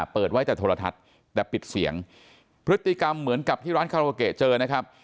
เปิดไว้แต่โทรทัศน์แต่ปิดเสียงพฤติกรรมเหมือนกับที่ร้านคาราโอเกะเจอนะครับ